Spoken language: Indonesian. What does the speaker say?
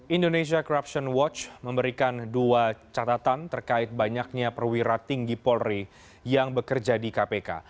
indonesia corruption watch memberikan dua catatan terkait banyaknya perwira tinggi polri yang bekerja di kpk